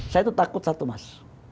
saya itu takut satu mas